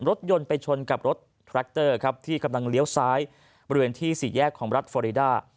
รถยนต์ไปชนกับรถแทรคเตอร์ครับที่กำลังเลี้ยวซ้ายบริเวณที่สี่แยกของรัฐฟอริดา